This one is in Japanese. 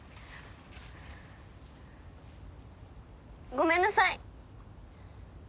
ごめんなさい！